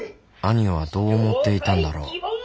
兄はどう思っていたんだろう